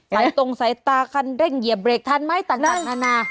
ตรงสายตาคันเร่งเหยียบเบรกทันไหมต่างนานา